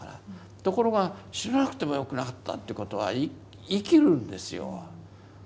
ところが死ななくてもよくなったっていうことは生きるんですよ。